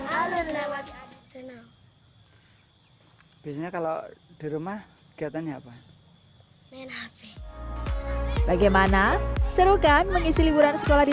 hai bisnya kalau di rumah kegiatannya apa main hp bagaimana serukan mengisi liburan sekolah di